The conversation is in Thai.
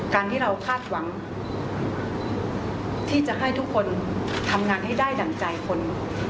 การที่เราคาดหวังที่จะให้ทุกคนทำงานให้ได้ดั่งใจคน